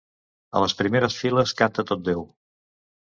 A les primeres files canta tot déu.